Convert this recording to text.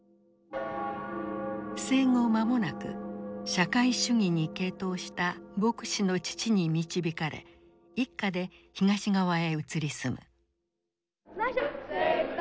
生後間もなく社会主義に傾倒した牧師の父に導かれ一家で東側へ移り住む。